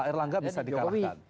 pak erlangga bisa dikalahkan